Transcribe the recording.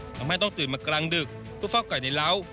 ทำให้ต้องตื่นมากลางดึกเพื่อฟอกไก่ในเล้า